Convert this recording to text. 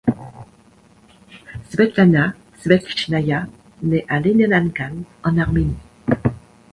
Svetlana Svetlitchnaïa nait à Léninakan en Arménie.